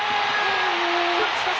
勝ち越し！